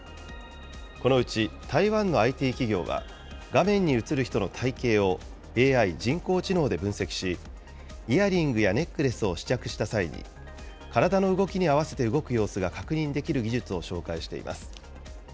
このうち台湾のＩＴ企業は、画面に映る人の体型をＡＩ・人工知能で分析し、イヤリングやネックレスを試着した際に、体の動きに合わせて動く様子が確認できる技術を紹介しています。